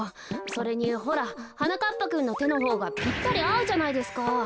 それにほらはなかっぱくんのてのほうがぴったりあうじゃないですか。